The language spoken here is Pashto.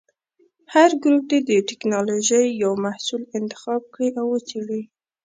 هر ګروپ دې د ټېکنالوجۍ یو محصول انتخاب کړي او وڅېړي.